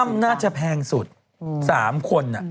อ้ำน่าจะแพงสุด๓คนน่ะ